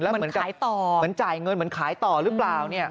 มันขายต่อเหมือนจ่ายเงินมันขายต่อหรือเปล่าเนี่ย